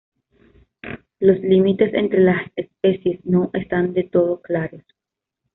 Los límites entre las especies no están del todo claros.